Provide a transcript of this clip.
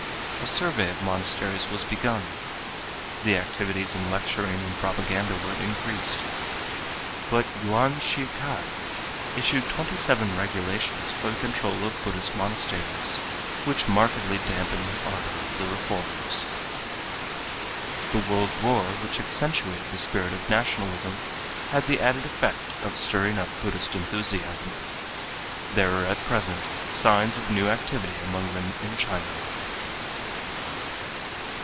A survey of monasteries was begun. The activities in lecturing and propaganda were increased, but Yuan Shih kai issued twenty seven regulations for the control of Buddhist monasteries, which markedly dampened the ardor of the reformers. The world war which accentuated the spirit of nationalism had the added effect of stirring up Buddhist enthusiasm. There are at present signs of new activity among them in China.